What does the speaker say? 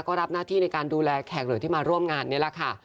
ก็รับหน้าที่ในการดูแลแขกเหลือที่มาร่วมงานนี่แหละค่ะ